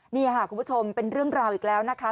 นี่ค่ะคุณผู้ชมเป็นเรื่องราวอีกแล้วนะคะ